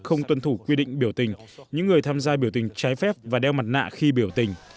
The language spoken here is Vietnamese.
không tuân thủ quy định biểu tình những người tham gia biểu tình trái phép và đeo mặt nạ khi biểu tình